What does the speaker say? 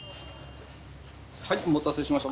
はいお待たせしました。